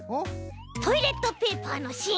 トイレットペーパーのしん。